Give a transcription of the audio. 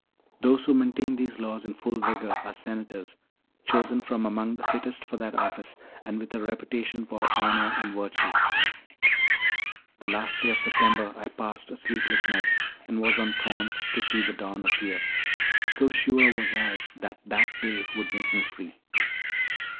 Those who maintain these laws in full vigour are senators, chosen from amongst the fittest for that office, and with a reputation for honour and virtue. The last day of September I passed a sleepless night, and was on thorns to see the dawn appear, so sure was I that that day would make me free.